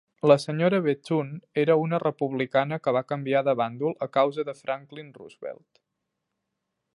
"La senyora Bethune era una republicana que va canviar de bàndol a causa de Franklin Roosevelt".